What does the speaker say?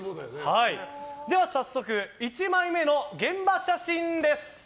早速、１枚目の現場写真です。